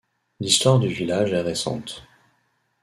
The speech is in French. L'histoire du village est récente.